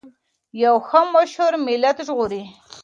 یو ښه مشر ملت ژغوري.